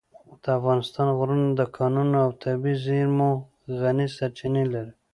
د افغانستان غرونه د کانونو او طبیعي زېرمو غني سرچینې لري.